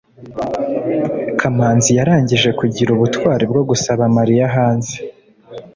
kamanzi yarangije kugira ubutwari bwo gusaba mariya hanze